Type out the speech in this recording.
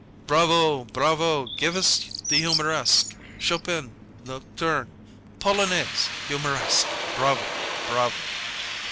"Bravo bravo! Give us the 'Humoresque' Chopin Nocturne Polonaise 'Humoresque.' Bravo bravo!"